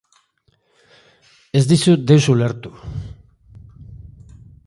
Ez dizut deus ulertu.